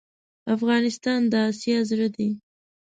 افغانستان دا اسیا زړه ډی